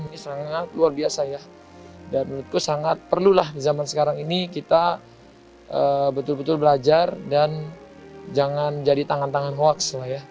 ini sangat luar biasa ya dan menurutku sangat perlulah di zaman sekarang ini kita betul betul belajar dan jangan jadi tangan tangan hoax lah ya